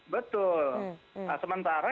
betul nah sementara